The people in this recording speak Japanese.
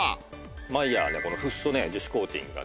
マイヤーのこのフッ素樹脂コーティングがね